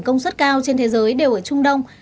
công suất cao trên thế giới đều ở trung đông